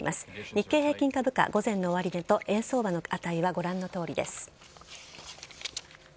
日経平均株価午前の終値と円相場の値はご覧のとおりです。